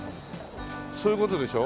そういう事でしょ？